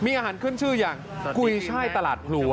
มีอาหารขึ้นชื่ออย่างกุยช่ายตลาดพลัว